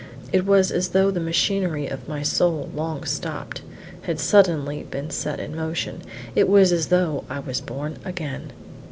It was as though the machinery of my soul, long stopped, had suddenly been set in motion; it was as though I was born again.